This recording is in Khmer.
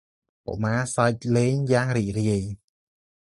កុមារសើចលេងយ៉ាងរីករាយ។